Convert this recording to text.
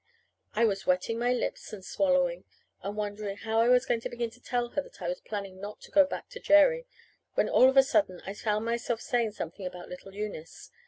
I was wetting my lips, and swallowing, and wondering how I was going to begin to tell her that I was planning not to go back to Jerry, when all of a sudden I found myself saying something about little Eunice.